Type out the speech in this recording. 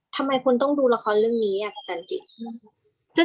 ทำไมคุณต้องดูละครเรื่องนี้อ่ะแต่จริง